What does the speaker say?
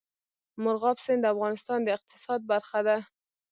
مورغاب سیند د افغانستان د اقتصاد برخه ده.